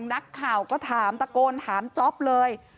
นักข่าวก็ถามตะโกนถามจ๊อปเลย